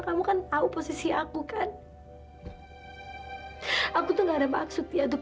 kamu kan tahu posisi aku kan aku tuh nggak ada maksud ya untuk